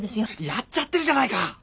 やっちゃってるじゃないか。